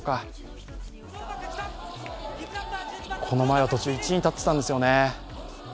この前は途中、１位に立っていたんですよね。